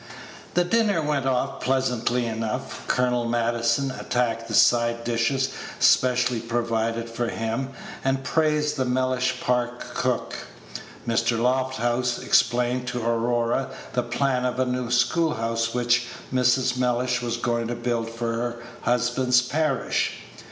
The dinner went off pleasantly enough. Colonel Maddison attacked the side dishes specially provided for him, and praised the Mellish Park cook. Mr. Lofthouse explained to Aurora the plan of a new school house which Mrs. Mellish was going to build for her husband's parish.